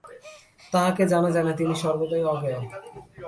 তাঁহাকে জানা যায় না, তিনি সর্বদাই অজ্ঞেয়।